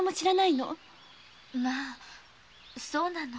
まぁそうなの。